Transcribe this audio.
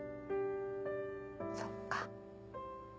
そっか。